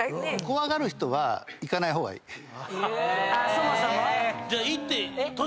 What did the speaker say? そもそも。